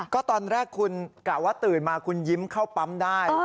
ก็ตอนแรกคุณกะว่าตื่นมาคุณยิ้มเข้าปั๊มได้